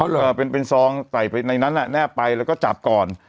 เหรอเป็นซองใส่ไปในนั้นแนบไปแล้วก็จับก่อน